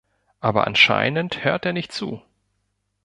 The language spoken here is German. Aber anscheinend hört er nicht zu.